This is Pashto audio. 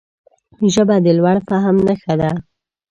ژبه د لوړ فهم نښه ده